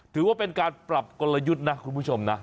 ถือว่าเป็นการปรับกลยุทธ์นะคุณผู้ชมนะ